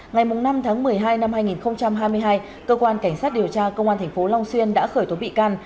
ngày năm tháng một mươi hai năm hai nghìn hai mươi hai cơ quan cảnh sát điều tra công an tp long xuyên đã khởi tố bị can